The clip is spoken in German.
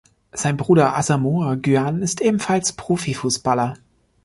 Sein Bruder Asamoah Gyan ist ebenfalls Profifußballer.